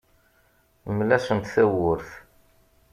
Mel-asent tawwurt.